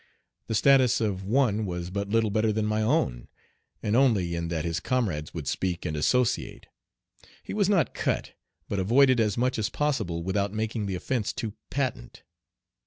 The status of one was but little better than my own, and only in that his comrades would speak and associate. He was not "cut," but avoided as much as possible without making the offence too patent.